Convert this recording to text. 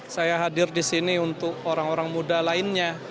saya hadir di sini untuk orang orang muda lainnya